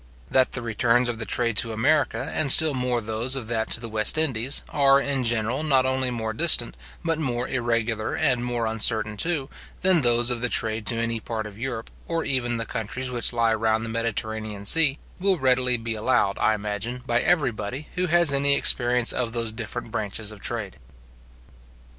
That the returns of the trade to America, and still more those of that to the West Indies, are, in general, not only more distant, but more irregular and more uncertain, too, than those of the trade to any part of Europe, or even of the countries which lie round the Mediterranean sea, will readily be allowed, I imagine, by everybody who has any experience of those different branches of trade.